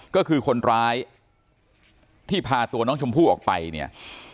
ก็คือคนร้ายที่พาตัวน้องชมพู่ออกไปเนี่ย